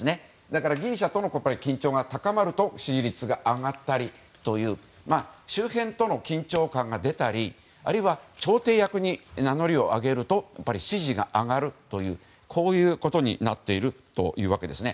だからギリシャと緊張が高まると支持率が上がったりという周辺との緊張感が出たりあるいは、調停役に名乗りを上げると支持が上がるということになっているというわけです。